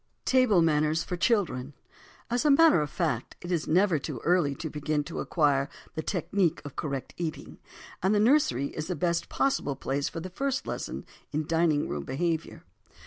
TABLE MANNERS FOR CHILDREN AS a matter of fact, it is never too early to begin to acquire the technique of correct eating, and the nursery is the best possible place for the first lessons in dining room behavior.